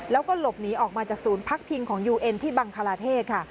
แล้วก็หลบหนีออกมาจากศูนย์พักพิงของยูเอ็นที่บังคลาเทศค่ะ